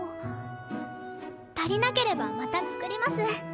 足りなければまた作ります。